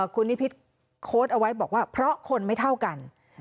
คุณนิพิษโค้ดเอาไว้บอกว่าเพราะคนไม่เท่ากัน